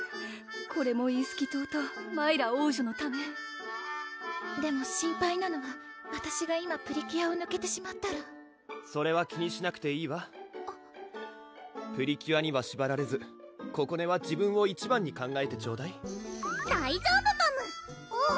これもイースキ島とマイラ王女のためでも心配なのはわたしが今プリキュアをぬけてしまったらそれは気にしなくていいわプリキュアにはしばられずここねは自分を一番に考えてちょうだい大丈夫パム！